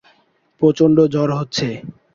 প্রচণ্ড ঝড় হচ্ছে।